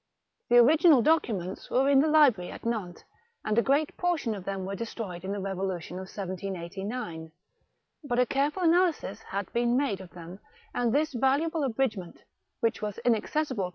The original documents were in the library at Nantes, and a great portion of them were destroyed in the Kevolutibn of 1789. But a careful analysis had been made of them, and this valuable abridgment, which was inacces sible to M.